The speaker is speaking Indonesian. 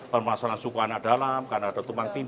permasalahan suku anak dalam karena ada tumpang tindi